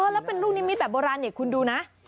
แล้วเป็นลูกนิมิตแบบโบราณเนี่ยคุณดูนะ